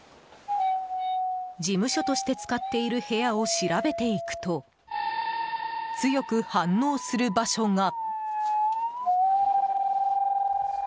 事務所として使っている部屋を調べていくと強く反応する場所が。